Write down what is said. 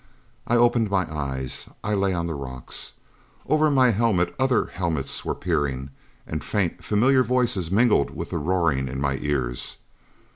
I opened my eyes, I lay on the rocks. Over my helmet, other helmets were peering, and faint, familiar voices mingled with the roaring in my ears.